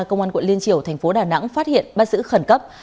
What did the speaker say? công an quận liên triều thành phố đà nẵng phát hiện bắt giữ khẩn cấp